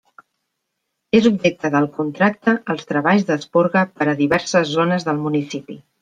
És objecte del contracte els treballs d'esporga per a diverses zones del municipi.